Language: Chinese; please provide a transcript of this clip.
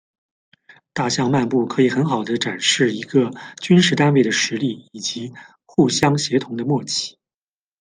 大象漫步可以很好地展示一个军事单位的实力，以及互相协同的默契。